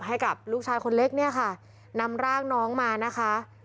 ให้กับลูกชายคนเล็กเนี่ยค่ะนำร่างน้องมานะคะ